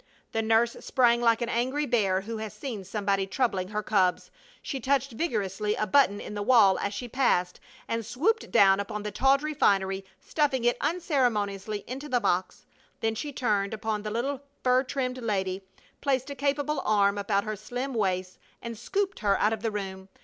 The nurse sprang like an angry bear who has seen somebody troubling her cubs. She touched vigorously a button in the wall as she passed and swooped down upon the tawdry finery, stuffing it unceremoniously into the box; then she turned upon the little fur trimmed lady, placed a capable arm about her slim waist, and scooped her out of the room.